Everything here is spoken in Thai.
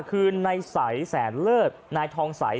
คือไนทองไส